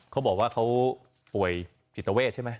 เขาบอกว่าเขาป่วยจิตเวทใช่ไหม